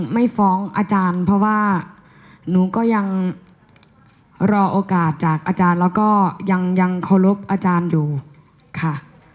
ไม่ฟ้องอาจารย์เพราะว่าหนูก็ยังรอโอกาสจากอาจารย์แล้วก็ยังเคารพอาจารย์อยู่ค่ะ